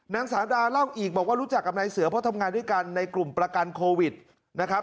นางสาราเล่าอีกบอกว่ารู้จักกับนายเสือเพราะทำงานด้วยกันในกลุ่มประกันโควิดนะครับ